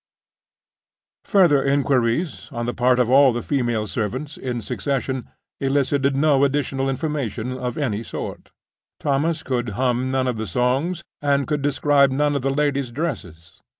Further inquiries, on the part of all the female servants in succession, elicited no additional information of any sort. Thomas could hum none of the songs, and could describe none of the ladies' dresses.